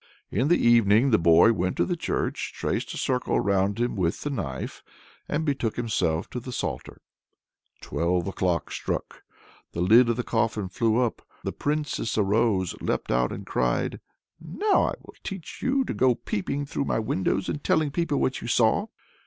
In the evening the boy went to the church, traced a circle round him with the knife, and betook himself to the psalter. Twelve o'clock struck. The lid of the coffin flew up; the Princess arose, leapt out, and cried "Now I'll teach you to go peeping through my windows, and telling people what you saw!"